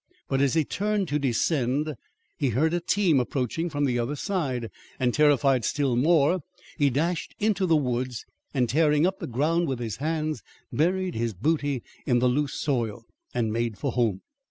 But as he turned to descend, he heard a team approaching from the other side and, terrified still more, he dashed into the woods, and, tearing up the ground with his hands, buried his booty in the loose soil, and made for home.